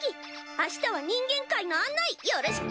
明日は人間界の案内よろしく！